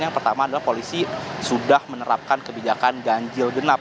yang pertama adalah polisi sudah menerapkan kebijakan ganjil genap